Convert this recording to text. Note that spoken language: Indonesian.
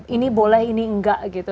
ini boleh ini enggak gitu